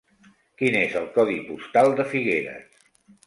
Quin és el codi postal de Figueres?